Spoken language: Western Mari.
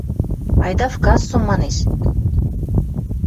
Айда в кассу… – манеш.